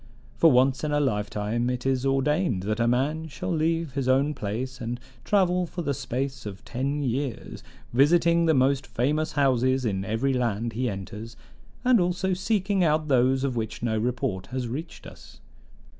For once in a lifetime is it ordained that a man shall leave his own place and travel for the space of ten years, visiting the most famous houses in every land he enters, and also seeking out those of which no report has reached us.